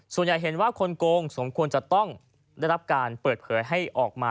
ส่วนใหญ่เห็นว่าคนโกงสมควรจะต้องได้รับการเปิดเผยให้ออกมา